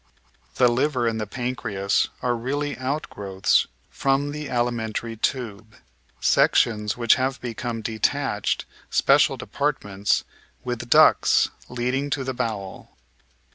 The liver and the pancreas are really outgrowths from the alimentary tube; sections which have become detached, special departments, with ducts leading to the bowel.